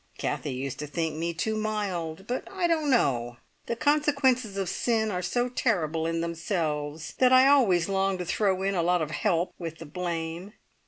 Kathie used to think me too mild, but I don't know! The consequences of sin are so terrible in themselves, that I always long to throw in a lot of help with the blame.